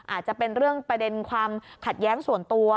อาจจะเป็นเรื่องประเด็นความขัดแย้งส่วนตัว